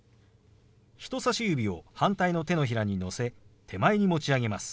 人さし指を反対の手のひらにのせ手前に持ち上げます。